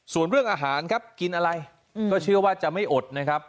ส่วนเรื่องอาหารครับกินอะไรก็เชื่อว่าจะไม่อดนะครับ